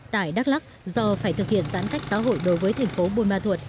tại đắk lắk do phải thực hiện giãn cách xã hội đối với thành phố bùi ma thuột